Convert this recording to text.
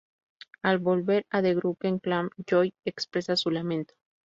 Al volver a The Drunken Clam, Joe expresa su lamento.